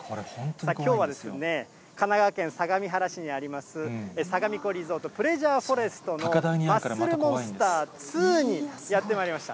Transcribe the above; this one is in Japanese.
きょうは神奈川県相模原市にあります、さがみ湖リゾートプレジャーフォレストのマッスルモンスター２にやってまいりました。